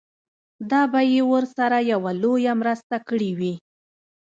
دا به يې ورسره يوه لويه مرسته کړې وي.